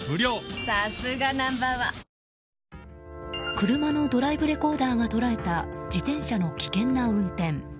車のドライブレコーダーが捉えた、自転車の危険な運転。